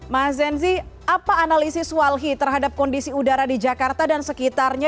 mas zenzi apa analisis walhi terhadap kondisi udara di jakarta dan sekitarnya